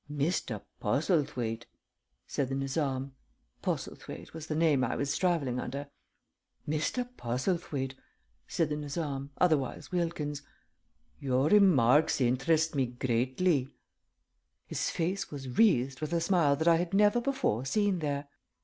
"Mr. Postlethwaite," said the Nizam Postlethwaite was the name I was travelling under "Mr. Postlethwaite," said the Nizam otherwise Wilkins "your remarks interest me greatly." His face wreathed with a smile that I had never before seen there.